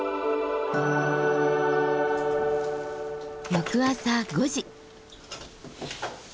翌朝５時。